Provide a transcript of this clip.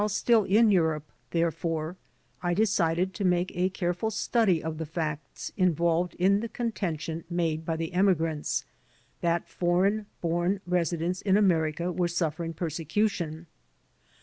10 THE DEPORTATION CASES While stfll in Europe, therefore, I decided to make a careful study of the facts involved in the contention made by the emigrants, that foreign bom residents in America were suffering persecution.